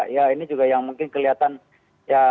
ya ini juga yang mungkin kelihatan yang berharga